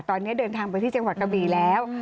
ตอนนี้เดินทางไปที่จังหวัดกะบี่แล้ว